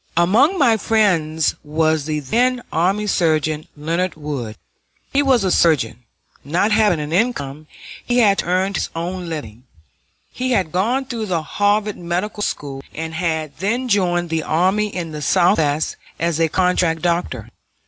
Among my friends was the then Army Surgeon Leonard Wood. He was a surgeon. Not having an income, he had to earn his own living. He had gone through the Harvard Medical School, and had then joined the army in the Southwest as a contract doctor.